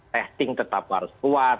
testing tetap harus kuat